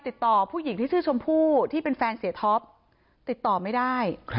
ติดต่อผู้หญิงที่ชื่อชมพู่ที่เป็นแฟนเสียท็อปติดต่อไม่ได้